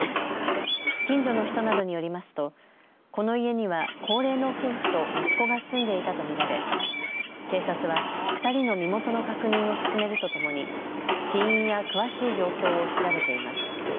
近所の人などによりますとこの家には高齢の夫婦と息子が住んでいたと見られ警察は２人の身元の確認を進めるとともに死因や詳しい状況を調べています。